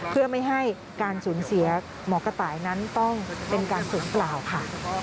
เพื่อไม่ให้การสูญเสียหมอกระต่ายนั้นต้องเป็นการศูนย์เปล่าค่ะ